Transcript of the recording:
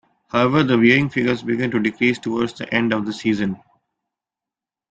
However, the viewing figures began to decrease towards the end of the season.